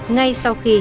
ngay sau khi bị bắt giữ